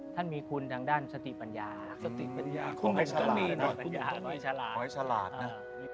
ท่านมีควรทางด้านสติปัญญาลอยฉลาดนะ